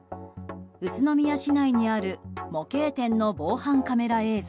宇都宮市内にある模型店の防犯カメラ映像。